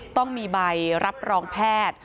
ต้องมีใบรับรองแพทย์